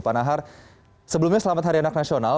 pak nahar sebelumnya selamat hari anak nasional